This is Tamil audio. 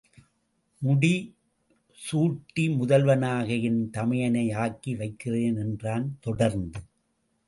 முடி சூட்டி முதல்வனாக என் தமையனை ஆக்கி வைக்கிறேன் என்றான் தொடர்ந்து.